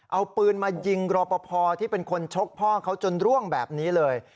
เอาปืนมายิงรอปภที่เป็นคนชกพ่อเขาจนร่วงแบบนี้เลย